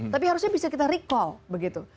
tapi harusnya bisa kita recall begitu